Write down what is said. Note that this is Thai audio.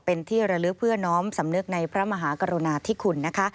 เป็นที่ระลึกเพื่อน้อมสำนึกในพระมหากรุณาธิคุณนะคะ